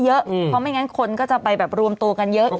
เพราะไม่งั้นคนก็จะไปแบบรวมตัวกันเยอะ